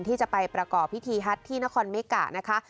ที่จะไปประกอบพิธีฮัทที่นครเมกะนะคะ